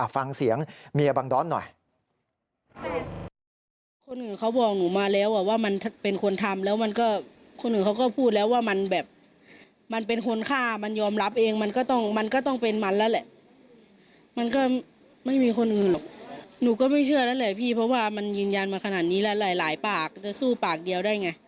ฟังเสียงเมียบางด้อนหน่อย